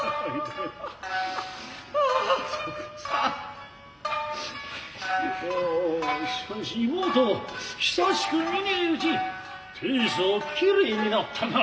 おおしかし妹久しく見ねえうち大層きれいになったなあ。